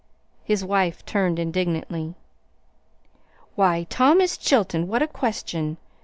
His wife turned indignantly. "Why, Thomas Chilton, what a question!